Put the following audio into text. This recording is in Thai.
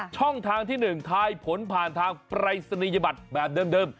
ช่องทางที่๑ทายผลผ่านทางปรายศนียบัตรแบบเดิม